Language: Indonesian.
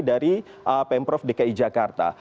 dari pemprov dki jakarta